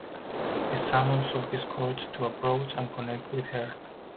He summons all his courage to approach and connect with her.